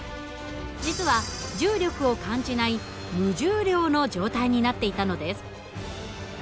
実は重力を感じない無重量の状態になっていたのです。